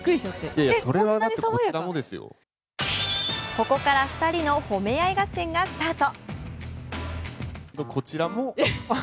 ここから２人の褒め合い合戦がスタート。